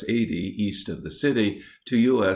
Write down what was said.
80 east of the city, to U. S.